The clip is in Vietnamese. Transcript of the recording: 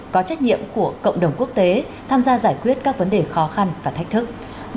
có trách nhiệm của cộng đồng quốc tế tham gia giải quyết các vấn đề khó khăn và thách thức